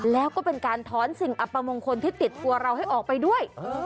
แล้วก็เป็นการถอนสิ่งอัปมงคลที่ติดตัวเราให้ออกไปด้วย